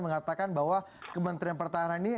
mengatakan bahwa kementerian pertahanan ini